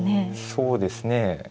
そうですね。